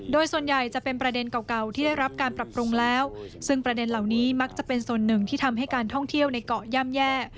โดยส่วนใหญ่จะเป็นประเด็นเก่าเก่าที่ได้รับการปรับปรุงแล้วซึ่งประเด็นเหล่านี้มักจะเป็นส่วนหนึ่งที่ทำให้การท่องเที่ยวในเกาะย่ำแย่